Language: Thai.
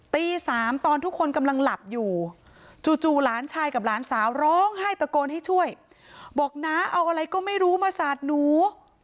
ตี๓ตอนทุกคนกำลังหลับอยู่จู่หลานชายกับหลานสาวร้องไห้ตะโกนให้ช่วยบอกน้าเอาอะไรก็ไม่รู้มาสาดหนู